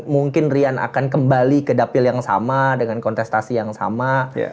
mungkin rian akan kembali ke dapil yang sama dengan kontestasi yang sama